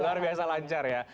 luar biasa lancar ya